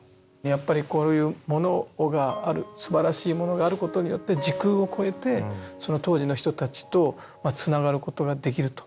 やっぱりこういうものがあるすばらしいものがあることによって時空を超えてその当時の人たちとつながることができると。